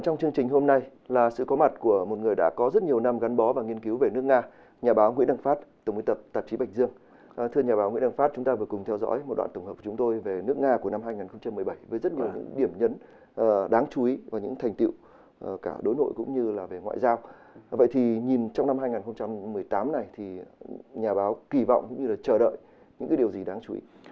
như là về ngoại giao vậy thì nhìn trong năm hai nghìn một mươi tám này thì nhà báo kỳ vọng chờ đợi những điều gì đáng chú ý